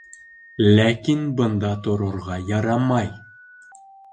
Ләкин бында торорға ярамай!